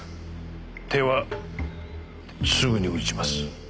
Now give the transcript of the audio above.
手はすぐに打ちます。